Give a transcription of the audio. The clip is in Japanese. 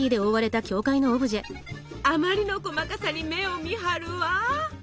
あまりの細かさに目をみはるわ。